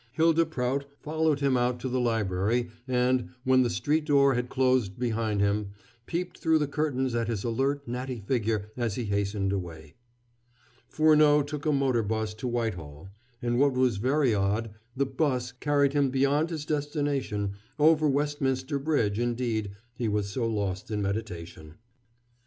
Hylda Prout followed him out to the library and, when the street door had closed behind him, peeped through the curtains at his alert, natty figure as he hastened away. Furneaux took a motor bus to Whitehall, and, what was very odd, the 'bus carried him beyond his destination, over Westminster Bridge, indeed, he was so lost in meditation.